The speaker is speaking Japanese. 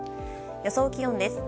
予想気温です。